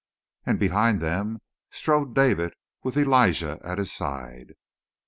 And behind them strode David with Elijah at his side.